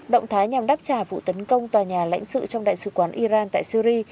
động thái nhằm đáp trả vụ tấn công tòa nhà lãnh sự trong đại sứ quán iran tại syri